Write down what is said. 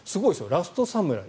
「ラストサムライ」